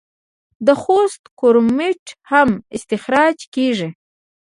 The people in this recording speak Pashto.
د خوست کرومایټ هم استخراج کیږي.